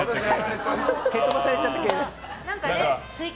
蹴飛ばされちゃった系で。